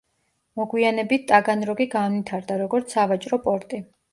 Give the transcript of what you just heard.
მოგვიანებით ტაგანროგი განვითარდა როგორც სავაჭრო პორტი.